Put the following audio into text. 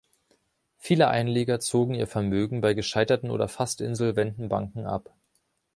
Viele Einleger zogen ihr Vermögen bei gescheiterten oder fast insolventen Banken ab.